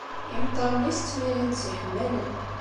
Imeṭṭawen-is ttmirin-d s yiḥemmalen.